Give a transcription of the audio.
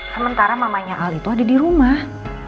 sementara mamanya al itu ada di rumah